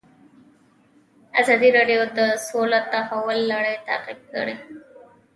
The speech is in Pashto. ازادي راډیو د سوله د تحول لړۍ تعقیب کړې.